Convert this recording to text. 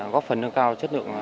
góp phần nâng cao chất lượng